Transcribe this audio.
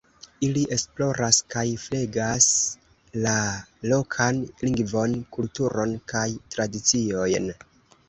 Ili esploras kaj flegas la lokan lingvon, kulturon kaj tradiciojn.